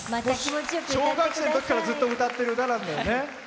小学生のときからずっと歌ってる歌なんだよね。